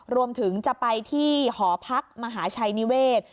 รวมถึงจะไปที่หอพักมหาชัยนิเวศ